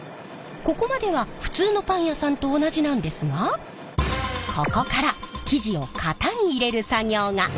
ここまでは普通のパン屋さんと同じなんですがここから生地を型に入れる作業が。